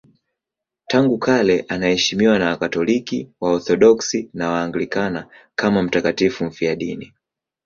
Tangu kale anaheshimiwa na Wakatoliki, Waorthodoksi na Waanglikana kama mtakatifu mfiadini.